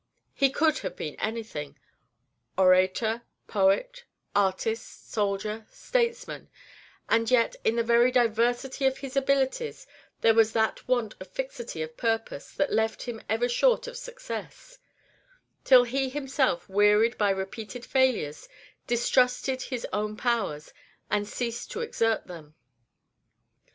He could have been anything, orator, poet, artist, soldier, statesman; and yet, in the very diversity of his abilities there was that want of fixity of purpose that left him ever short of success, till he himself, wearied by repeated failures, distrusted his own powers, and ceased to exert them.